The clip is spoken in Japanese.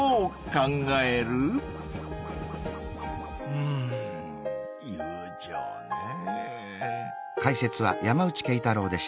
うん友情ねぇ。